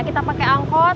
kita pake angkot